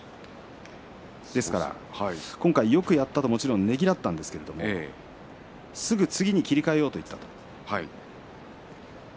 ですから今回よくやったとねぎらったんですけれどもすぐ次に切り替えようと言った。